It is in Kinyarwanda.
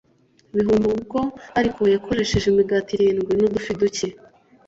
bihumbi ubu bwo ariko yakoresheje imigati irindwi n udufi duke